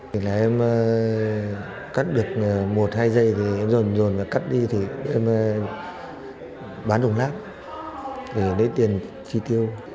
thì là em cắt được một hai giây thì em dồn rồi và cắt đi thì em bán đồng láp để lấy tiền chi tiêu